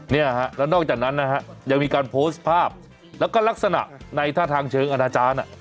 เนี่ยฮะแล้วนอกจากนั้นนะฮะยังมีการโพสต์ภาพแล้วก็ลักษณะในท่าทางเชิงอนาจารย์